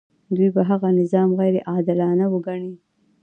دوی به هغه نظام غیر عادلانه وګڼي.